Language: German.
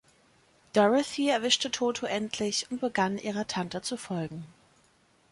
Dorothy erwischte Toto endlich und begann ihrer Tante zu folgen.